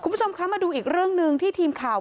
คุณผู้ชมคะมาดูอีกเรื่องหนึ่งที่ทีมข่าว